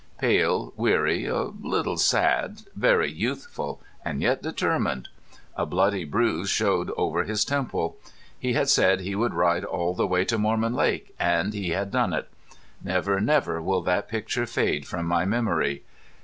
Pale, weary, a little sad, very youthful and yet determined! A bloody bruise showed over his temple. He had said he would ride all the way to Mormon Lake and he had done it. Never, never will that picture fade from my memory!